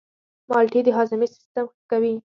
مالټې د هاضمې سیستم ښه کوي.